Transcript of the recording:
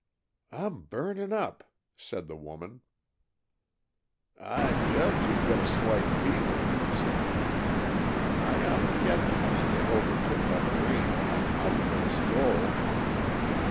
"I'm burning up," said the woman. "I judge you've got a slight fever," said Peter. "I often get them when I get overtook by the rain when I'm out for a stroll."